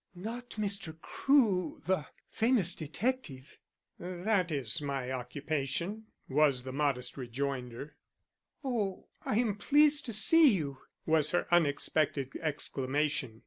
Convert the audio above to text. "Not Mr. Crewe, the famous detective?" "That is my occupation," was the modest rejoinder. "Oh, I am pleased to see you," was her unexpected exclamation.